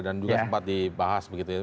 juga sempat dibahas begitu ya